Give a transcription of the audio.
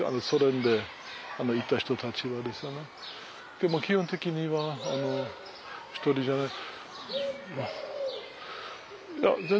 でも基本的には１人じゃない。